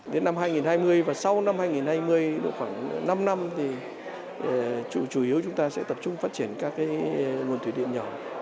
đến năm hai nghìn hai mươi và sau năm hai nghìn hai mươi độ khoảng năm năm thì chủ yếu chúng ta sẽ tập trung phát triển các nguồn thủy điện nhỏ